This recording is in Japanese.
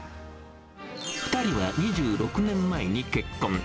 ２人は２６年前に結婚。